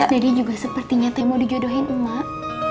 dede juga sepertinya te mau dijodohin emak